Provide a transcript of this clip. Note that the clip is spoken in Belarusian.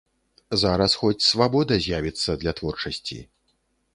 Зараз хоць свабода з'явіцца для творчасці.